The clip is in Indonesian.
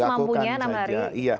lakukan saja semampunya enam hari